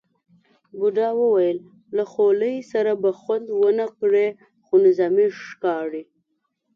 بوډا وویل له خولۍ سره به خوند ونه کړي، خو نظامي ښکاري.